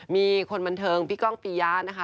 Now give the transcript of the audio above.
มีคนบันเทิงพี่ก้องปียะนะคะ